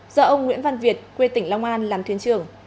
do ông nguyễn văn việt quê tỉnh long an làm thuyền trưởng